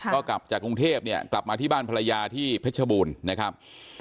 ก็กลับจากกรุงเทพเนี่ยกลับมาที่บ้านภรรยาที่เพชรบูรณ์นะครับ